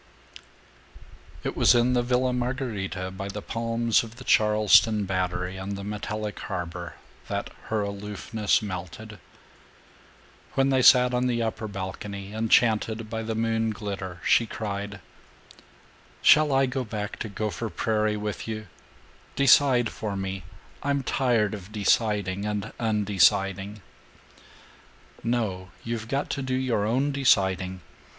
VII It was in the Villa Margherita, by the palms of the Charleston Battery and the metallic harbor, that her aloofness melted. When they sat on the upper balcony, enchanted by the moon glitter, she cried, "Shall I go back to Gopher Prairie with you? Decide for me. I'm tired of deciding and undeciding." "No. You've got to do your own deciding.